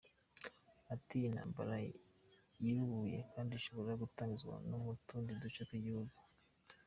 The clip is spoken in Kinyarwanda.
Ati intambara yubuye kandi ishobora gutangizwa no mu tundi duce tw’igihugu.